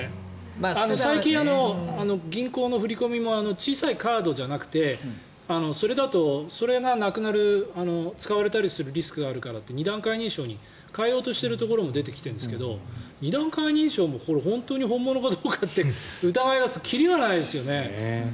最近、銀行の振り込みも小さいカードじゃなくてそれだと、それがなくなる使われたりするリスクがあるから２段階認証に変えようとしているところも出てきてるんですけど２段階認証も本当に本物かどうかって疑い出したら切りがないですよね。